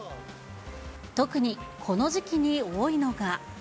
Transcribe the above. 特に、この時期に多いのが。